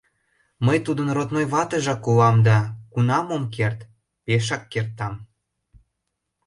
Мый тудын родной ватыжак улам да кунам ом керт, пешак кертам!